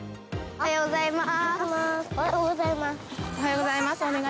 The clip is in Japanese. おはようございます。